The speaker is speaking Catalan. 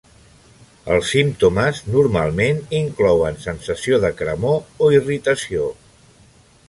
Els símptomes normalment inclouen sensació de cremor o irritació.